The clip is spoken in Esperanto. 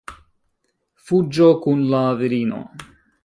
Fuĝo kun la virino.